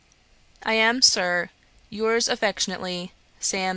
'I am, Sir, 'Yours affectionately, 'SAM.